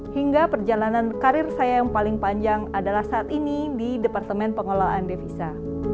hingga perjalanan karir saya yang paling panjang adalah saat ini di departemen pengelolaan devisa